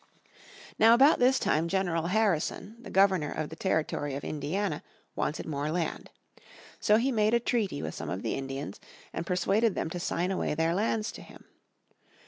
Now about this time General Harrison, the Governor of the Territory of Indiana, wanted more land. So in 1809 he made a treaty with some of the Indians and persuaded them to sign away their lands to him.